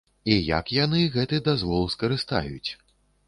І як яны гэты дазвол скарыстаюць.